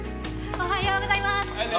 おはようございます。